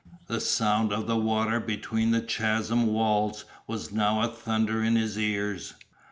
The sound of the water between the chasm walls was now a thunder in his ears.